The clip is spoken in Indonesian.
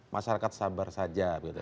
masyarakat sabar saja gitu